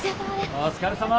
お疲れさま！